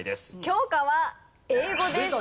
教科は英語です。